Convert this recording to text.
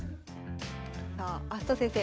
さあ明日斗先生